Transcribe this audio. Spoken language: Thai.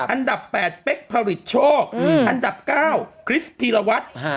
อันดับ๘เป๊กผลิตโชคอันดับ๙คริสพีรวัตร